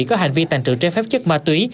có hành vi tàn trự trái phép chất ma túy